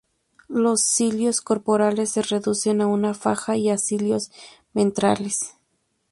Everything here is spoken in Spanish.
Los cilios corporales se reducen a una faja y a cilios ventrales.